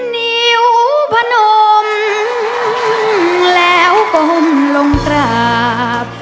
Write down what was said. ๑๐นิ้วเป็นนมแล้วคงลงกราบ